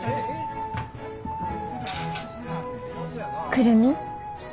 久留美？